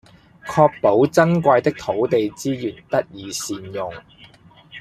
確保珍貴的土地資源得以善用